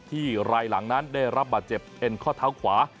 รายหลังนั้นได้รับบาดเจ็บเอ็นข้อเท้าขวา